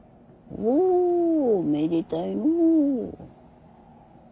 おめでたいのう。